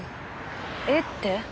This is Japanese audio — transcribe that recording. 絵って？